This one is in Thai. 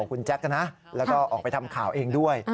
คุณแจ๊กนะแล้วก็ออกไปทำข่าวเองด้วย